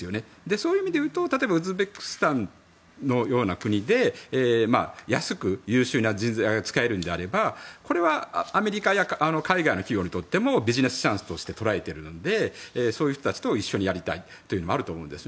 そういう意味でいうと例えばウズベキスタンのような国で安く優秀な人材を使えるのであればアメリカや海外の企業にとってもビジネスチャンスとして捉えているのでそういう人たちと一緒にやりたいのはあると思うんです。